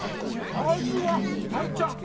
まずはアンちゃん。